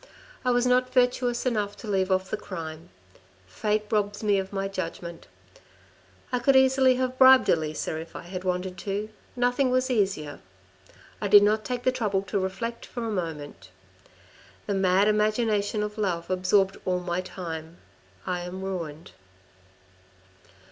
I was not virtuous enough to leave off the crime. Fate robs me of my judgment. I could easily have bribed Elisa if I had wanted to ; nothing was easier. I did not take the trouble to reflect for a moment. The mad imagination of love absorbed all my time. I am ruined.